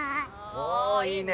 おいいね。